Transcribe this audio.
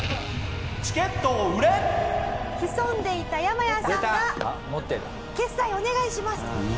潜んでいたヤマヤさんが「決済お願いします」と。